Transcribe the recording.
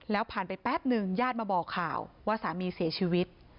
แล้วผ่านไปแป๊บนึงญาติมาบอกข่าวว่าสามีเสียชีวิต